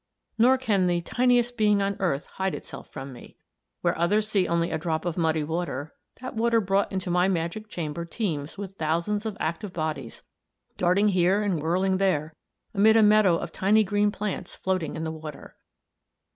Nor can the tiniest being on earth hide itself from me. Where others see only a drop of muddy water, that water brought into my magic chamber teems with thousands of active bodies, darting here and whirling there amid a meadow of tiny green plants floating in the water.